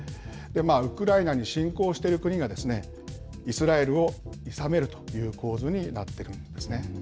ウクライナに侵攻している国が、イスラエルをいさめるという構図になってるんですね。